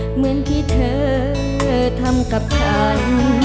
เหมือนที่เธอเธอทำกับฉัน